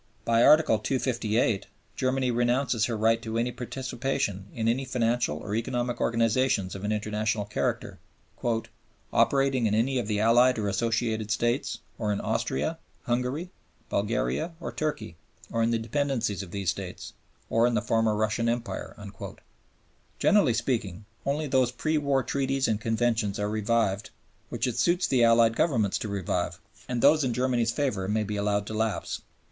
By Article 258 Germany renounces her right to any participation in any financial or economic organizations of an international character "operating in any of the Allied or Associated States, or in Austria, Hungary, Bulgaria or Turkey, or in the dependencies of these States, or in the former Russian Empire." Generally speaking, only those pre war treaties and conventions are revived which it suits the Allied Governments to revive, and those in Germany's favor may be allowed to lapse.